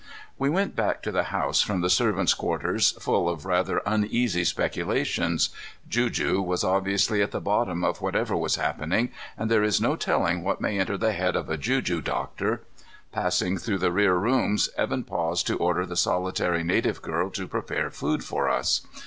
We went back to the house from the servants' quarters full of rather uneasy speculations. Juju was obviously at the bottom of whatever was happening, and there is no telling what may enter the head of a juju doctor. Passing through the rear rooms, Evan paused to order the solitary native girl to prepare food for us.